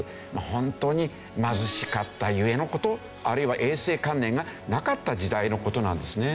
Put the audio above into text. ホントに貧しかった故の事あるいは衛生観念がなかった時代の事なんですね。